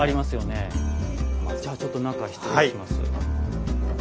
じゃあちょっと中失礼します。